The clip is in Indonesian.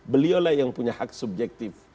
beliulah yang punya hak subjektif